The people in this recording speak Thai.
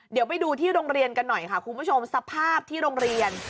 เดี๋ยวไปดูที่โรงเรียนกันหน่อยค่ะคุณผู้ชมสภาพที่โรงเรียน